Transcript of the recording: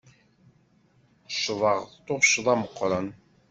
Ccḍeɣ tuccḍa meqqren.